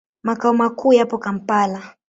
Makao makuu yapo Kampala.